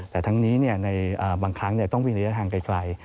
แต่ทั้งนี้บางครั้งต้องวินทางไกล